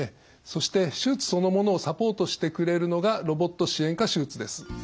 そして手術そのものをサポートしてくれるのがロボット支援下手術です。